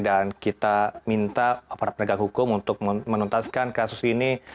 dan kita minta para penegak hukum untuk menuntaskan kasus ini